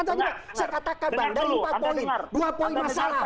saya katakan bang dari empat poin dua poin masalah